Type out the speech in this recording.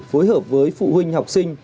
phối hợp với phụ huynh học sinh